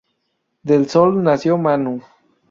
Del Sol nació Manu.